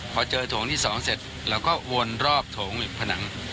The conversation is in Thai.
พอเจอโถงที่๒เสร็จเราก็วนรอบโถงผนัง